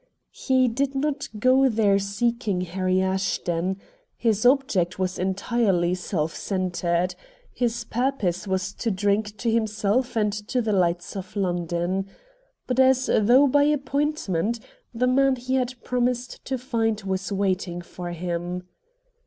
He did not go there seeking Harry Ashton. His object was entirely self centred. His purpose was to drink to himself and to the lights of London. But as though by appointment, the man he had promised to find was waiting for him.